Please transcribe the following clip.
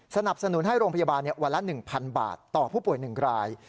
สนับสนุนให้โรงพยาบาลวันละ๑๐๐๐บาทต่อผู้ป่วย๑ราย